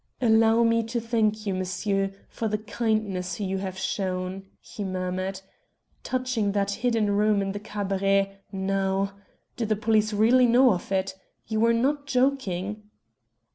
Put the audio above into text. "Allow me to thank you, M'sieu', for the kindness you have shown," he murmured. "Touching that hidden room in the Cabaret, now. Do the police really know of it? You were not joking?"